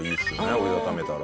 折り畳めたら。